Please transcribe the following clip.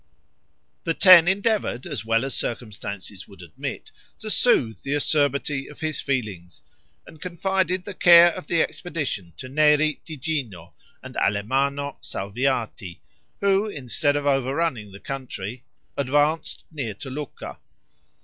The Ten endeavored, as well as circumstances would admit, to soothe the acerbity of his feelings, and confided the care of the expedition to Neri di Gino and Alamanno Salviati, who, instead of overrunning the country, advanced near to Lucca.